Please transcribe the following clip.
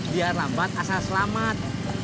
biar lambat asal selamat